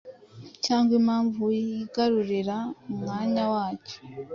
cyangwa impamvu yigarurira umwanya wacyo